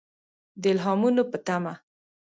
د الهامونو په تمه.